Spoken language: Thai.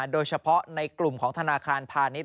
โดยเฉพาะในกลุ่มของธนาคารพาณิชย